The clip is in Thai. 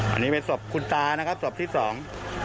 อันนี้เป็นศพคุณตานะครับศพที่สอง